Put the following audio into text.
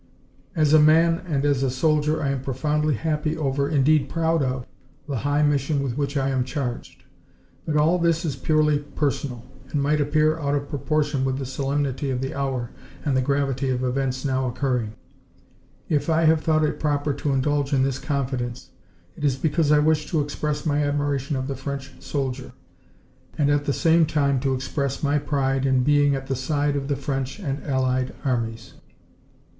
"As a man and as a soldier I am profoundly happy over, indeed proud of, the high mission with which I am charged. But all this is purely personal, and might appear out of proportion with the solemnity of the hour and the gravity of events now occurring. If I have thought it proper to indulge in this confidence, it is because I wish to express my admiration of the French soldier, and at the same time to express my pride in being at the side of the French and allied armies.